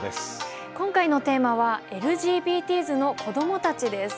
今回のテーマはＬＧＢＴｓの子どもたちです。